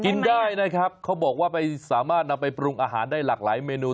กินได้นะครับเขาบอกว่าไปสามารถนำไปปรุงอาหารได้หลากหลายเมนู